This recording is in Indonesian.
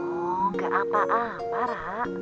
oh gak apa apa rak